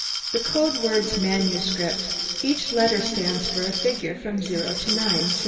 "The code word's manuscript. Each letter stands for a figure, from 0 up to 9, see?"